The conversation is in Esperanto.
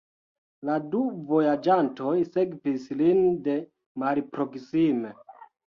La du vojaĝantoj sekvis lin de malproksime.